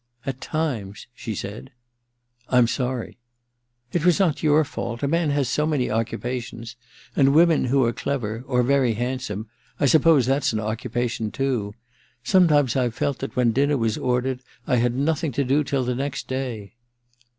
* At times/ she said. * I'm sorry.* * It was not your fault. A man has so many occupations; and women who are clever — or very handsome — I suppose that's an occupation too. Sometimes I've felt that when dinner was ordered I had nothing to do till the next day.'